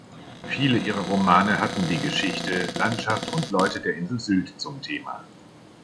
Viele ihrer Romane hatten die Geschichte, Landschaft und Leute der Insel Sylt zum Thema.